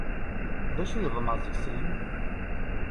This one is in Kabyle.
D acu i yeḍmeε deg-sen?